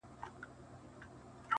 ښكل مي كړلې”